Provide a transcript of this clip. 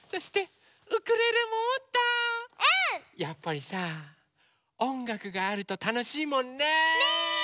やっぱりさおんがくがあるとたのしいもんね。ね！